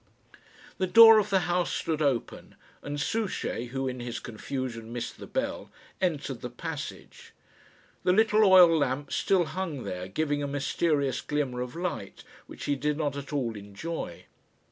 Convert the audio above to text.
The door of the house stood open, and Souchey, who, in his confusion, missed the bell, entered the passage. The little oil lamp still hung there, giving a mysterious glimmer of light, which he did not at all enjoy.